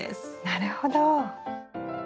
なるほど。